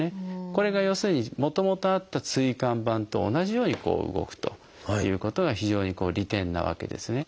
これが要するにもともとあった椎間板と同じように動くということが非常に利点なわけですね。